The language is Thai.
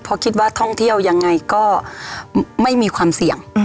เพราะคิดว่าท่องเที่ยวยังไงก็ไม่มีความเสี่ยง